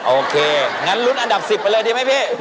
โอเคงั้นลุ้นอันดับ๑๐ไปเลยดีไหมพี่